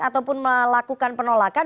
atau pun melakukan penolakan